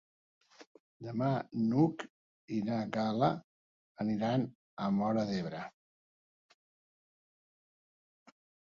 Demà n'Hug i na Gal·la aniran a Móra d'Ebre.